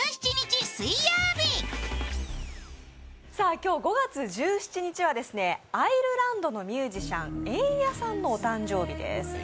今日５月１７日はアイルランドのミュージシャン、エンヤさんのお誕生日です。